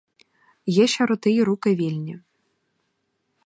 Є ще роти й руки вільні.